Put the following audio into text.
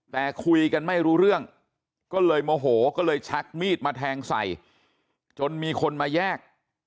แต่คุยกันไม่รู้เรื่องก็เลยโมโหก็เลยชักมีดมาแทงใส่จนมีคนมาแยก